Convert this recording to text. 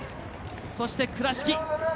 そして、倉敷。